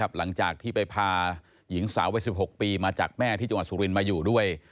หลังจากที่ไปพาหญิงสาววัย๑๖ปีมาจากแม่ที่จังหวัดสุรินทร์มาอยู่ด้วย